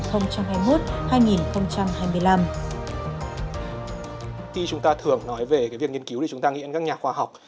khi chúng ta thường nói về việc nghiên cứu thì chúng ta nghĩ đến các nhà khoa học